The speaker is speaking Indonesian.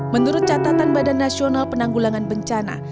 menurut catatan badan nasional penanggulangan bencana